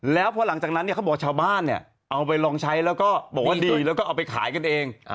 แล้วพอหลังจากนั้นเนี่ยเขาบอกชาวบ้านเนี่ยเอาไปลองใช้แล้วก็บอกว่าดีแล้วก็เอาไปขายกันเอง